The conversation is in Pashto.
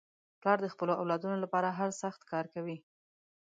پلار د خپلو اولادنو لپاره هر سخت کار کوي.